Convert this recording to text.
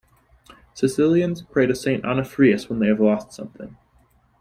Sicilians pray to Saint Onuphrius when they have lost something.